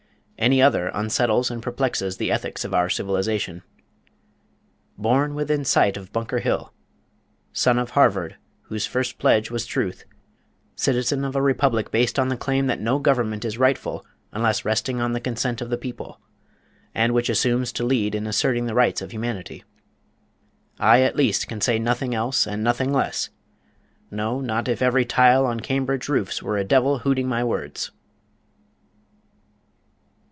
Any other unsettles and perplexes the ethics of our civilization. Born within sight of Bunker Hill son of Harvard, whose first pledge was "Truth," citizen of a republic based on the claim that no government is rightful unless resting on the consent of the people, and which assumes to lead in asserting the rights of humanity I at least can say nothing else and nothing less no not if every tile on Cambridge roofs were a devil hooting my words!